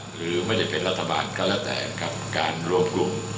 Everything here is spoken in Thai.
หรือไม่ได้เป็นรัฐบาลก็แล้วแต่กับการรวมกลุ่ม